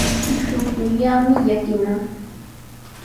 Shuqullaami llakinan.